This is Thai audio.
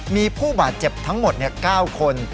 ที่ผู้บาดเจ็บทั้งหมดเนี่ย๙คน